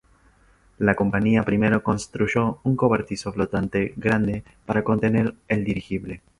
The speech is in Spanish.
La compañía primero construyó un cobertizo flotante grande para contener el dirigible.